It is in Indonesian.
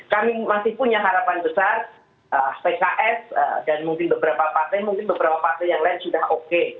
kami masih punya harapan besar pks dan mungkin beberapa partai mungkin beberapa partai yang lain sudah oke